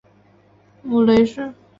母雷氏。